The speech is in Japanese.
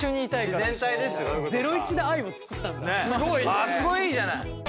かっこいいじゃない。